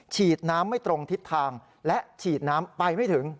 ฉีดน้ำไม่ตรงทิศทางและฉีดน้ำไปไม่ถึง